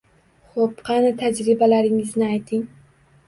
— Xo‘p, qani, tajribalaringizni ayting?